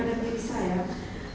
pada saat umri saat dihadapi saya